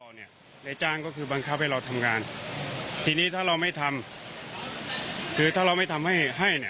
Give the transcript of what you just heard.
ในจ้างก็คือบังคับให้เราทำงานทีนี้ถ้าเราไม่ทำคือถ้าเราไม่ทำให้ให้เนี่ย